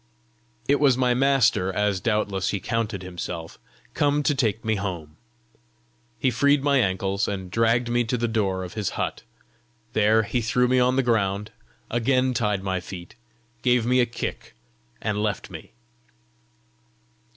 It was my master, as doubtless he counted himself, come to take me home. He freed my ankles, and dragged me to the door of his hut; there he threw me on the ground, again tied my feet, gave me a kick, and left me.